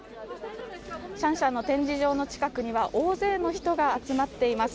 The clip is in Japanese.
シャンシャンの展示場の近くには大勢の人が集まっています。